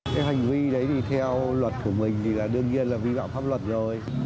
cái hành vi đấy thì theo luật của mình thì là đương nhiên là vi phạm pháp luật rồi